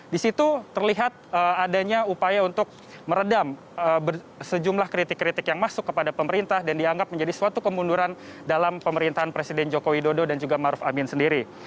di situ terlihat adanya upaya untuk meredam sejumlah kritik kritik yang masuk kepada pemerintah dan dianggap menjadi suatu kemunduran dalam pemerintahan presiden joko widodo dan juga maruf amin sendiri